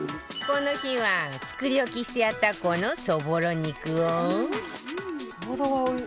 この日は作り置きしてあったこのそぼろ肉を。